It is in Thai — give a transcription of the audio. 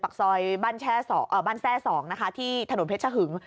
ปักซอยบ้านแช่สองเอ่อบ้านแช่สองนะคะที่ถนนเพชรหึง